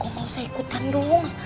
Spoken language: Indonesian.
mas suha ikutan dulu